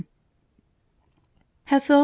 Had Philip II.